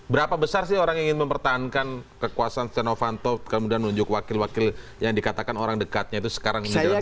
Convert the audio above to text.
berapa besar sih orang yang ingin mempertahankan kekuasaan stenovanto kemudian menunjuk wakil wakil yang dikatakan orang dekatnya itu sekarang ini dalam politik